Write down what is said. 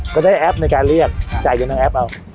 ก็ได้แอปในการเรียกจ่ายเงินทางแอปเอา